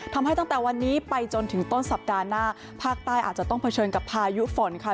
ทำให้ตั้งแต่วันนี้ไปจนถึงต้นสัปดาห์หน้าภาคใต้อาจจะต้องเผชิญกับพายุฝนค่ะ